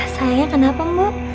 sayangnya kenapa bu